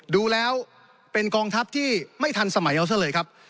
ดูแล้วเป็นกองทัพที่ไม่ทันสมัยเอาซะเลยครับ